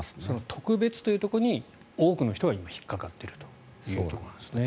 特別というところに多くの人が今、引っかかってるというところなんですね。